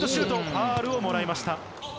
ファウルをもらいました。